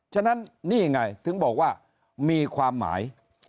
ฉะนั้นนี่ไงถึงบอกว่ามีความหมาย